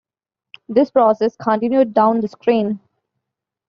This process continued down the screen.